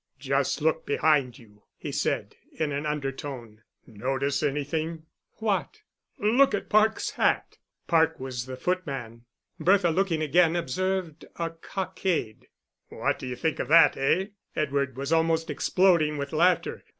"Just look behind you," he said, in an undertone. "Notice any thing?" "What?" "Look at Parke's hat." Parke was the footman. Bertha, looking again, observed a cockade. "What d'you think of that, eh?" Edward was almost exploding with laughter.